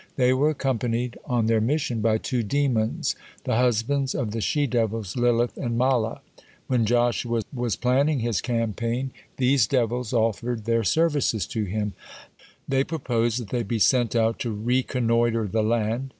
(10) They were accompanied on their mission by two demons, the husbands of the she devils Lilith and Mahlah. When Joshua was planning his campaign, these devils offered their services to him; they proposed that they be sent out to reconnoitre the land.